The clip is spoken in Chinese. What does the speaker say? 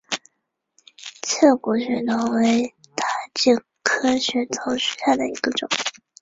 刺果血桐为大戟科血桐属下的一个种。